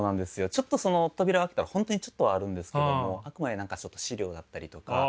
ちょっとその扉を開けたら本当にちょっとはあるんですけどもあくまで何かちょっと資料だったりとか。